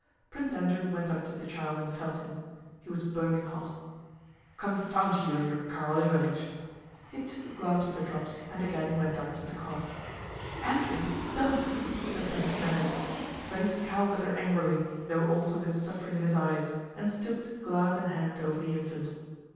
Prince Andrew went up to the child and felt him. He was burning hot. "Confound you and your Karl Ivánich!" He took the glass with the drops and again went up to the cot. "Andrew, don't!" said Princess Mary. But he scowled at her angrily though also with suffering in his eyes, and stooped glass in hand over the infant.